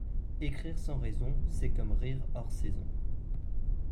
Écrire sans raison, c’est comme rire hors saison.